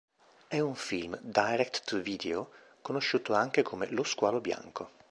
È un film direct-to-video conosciuto anche come Lo squalo bianco.